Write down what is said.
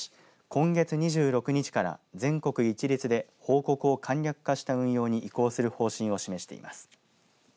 今月２６日から全国一律で報告を簡略化した運用に移行する方針を示しています。